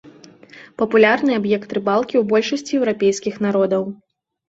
Папулярны аб'ект рыбалкі ў большасці еўрапейскіх народаў.